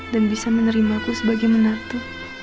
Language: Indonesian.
dan bisa menerimaku sebagai menantu